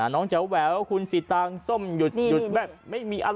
แจ๋วแววคุณสิตางส้มหยุดแบบไม่มีอะไร